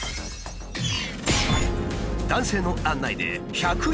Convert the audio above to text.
男性の案内で１００円